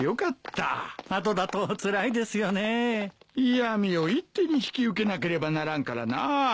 嫌みを一手に引き受けなければならんからな。